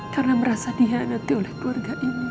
karena merasa dihianati oleh keluarga ini mas